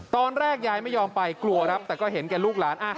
ตอนแรกยายไม่ยอมไปกลัวครับแต่ก็เห็นแก่ลูกหลาน